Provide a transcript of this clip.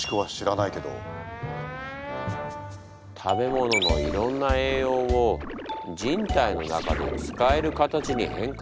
食べ物のいろんな栄養を人体の中で使える形に変換してるでしょ。